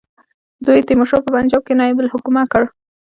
زوی یې تیمورشاه په پنجاب کې نایب الحکومه کړ.